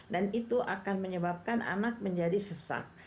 dan itu akan menyebabkan anak menjadi sesak